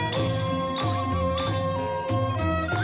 จริง